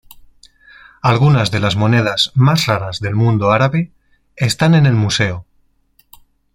Algunas de las monedas más raras del mundo árabe están en el museo.